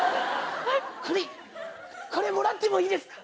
これもらってもいいですか？